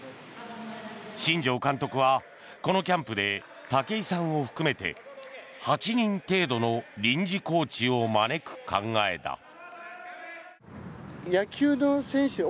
新庄監督はこのキャンプで武井さんを含めて８人程度の臨時コーチを招く考えだ。